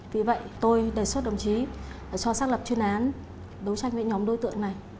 vì vậy tôi đề xuất đồng chí cho xác lập chuyên án đấu tranh với nhóm đối tượng này